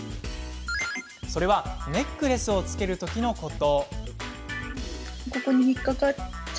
それはネックレスを着けるときのこと。